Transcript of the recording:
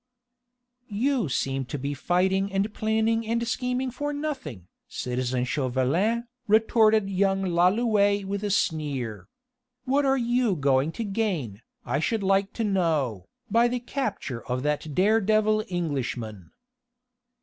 "You seem to be fighting and planning and scheming for nothing, citizen Chauvelin," retorted young Lalouët with a sneer. "What are you going to gain, I should like to know, by the capture of that dare devil Englishman?"